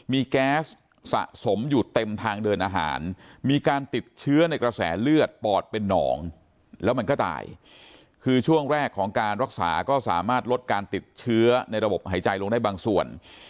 มีแก๊สสะสมอยู่เต็มทางเดินอาหารมีการติดเชื้อในกระแสเลือดปอดเป็นหนองแล้วมันก็ตายคือช่วงแรกของการรักษาก็สามารถลดการติดเชื้อในระบบหายใจลงได้บางส่วน